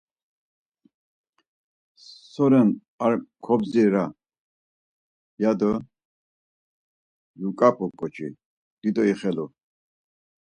So ren ar kobdzira? ya do kyuǩap̌u ǩoçi, dido ixelu.